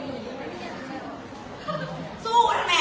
สู้กันแม่